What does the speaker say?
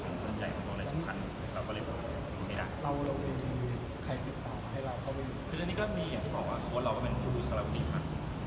คืออันนี้ก็มีอย่างต่อว่าเพราะว่าเราก็เป็นผู้ดูสรรคุณิภัณฑ์